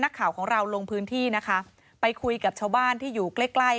นักข่าวของเราลงพื้นที่นะคะไปคุยกับชาวบ้านที่อยู่ใกล้ใกล้